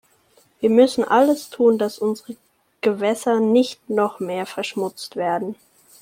Wir müssen alles tun, dass unsere Gewässer nicht noch mehr verschmutzt werden.